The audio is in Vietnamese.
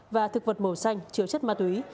và thực vật màu xanh chứa chất ma túy